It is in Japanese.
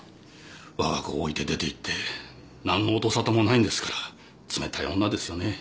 わが子を置いて出ていって何の音さたもないんですから冷たい女ですよね。